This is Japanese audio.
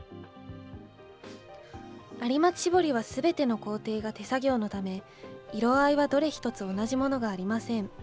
有松絞りはすべての工程が手作業のため、色合いはどれ一つ同じものがありません。